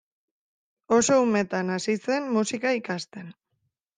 Oso umetan hasi zen musika ikasten.